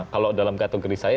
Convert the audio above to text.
kalau dalam kategori saya